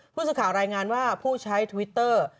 ผู้สื่อข่าวรายงานว่าผู้ใช้ทวิตเตอร์